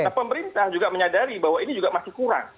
karena pemerintah juga menyadari bahwa ini juga masih kurang